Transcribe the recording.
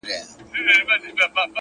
• هغه شملې ته پیدا سوی سر په کاڼو ولي,